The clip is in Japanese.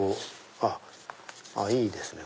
あっいいですね